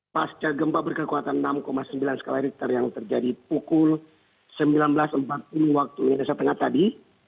pasca gempa berkekuatan enam sembilan skala richter yang terjadi pukul sembilan belas empat puluh waktu indonesia tengah tadi